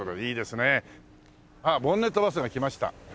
ボンネットバスが来ました。